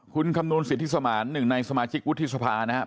คุณคำนวณสิทธิสมานหนึ่งในสมาชิกวุฒิสภานะครับ